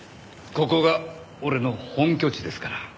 ここが俺の本拠地ですから。